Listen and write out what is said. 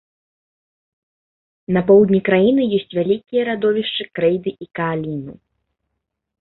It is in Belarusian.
На поўдні краіны ёсць вялікія радовішчы крэйды і кааліну.